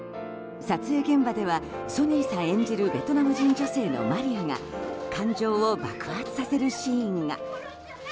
撮影現場ではソニンさん演じるベトナム人女性のマリアが感情を爆発させるシーンが。